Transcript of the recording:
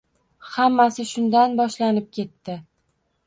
Hammasi shundan boshlanib ketdi